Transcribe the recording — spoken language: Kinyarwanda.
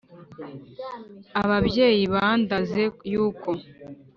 ababyeyi bandaze yuko